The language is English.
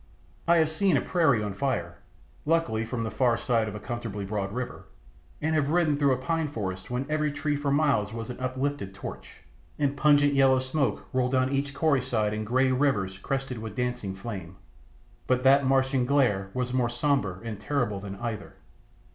I have seen a prairie on fire, luckily from the far side of a comfortably broad river, and have ridden through a pine forest when every tree for miles was an uplifted torch, and pungent yellow smoke rolled down each corrie side in grey rivers crested with dancing flame. But that Martian glare was more sombre and terrible than either.